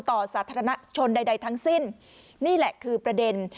สาธารณชนใดทั้งสิ้นนี่แหละคือประเด็น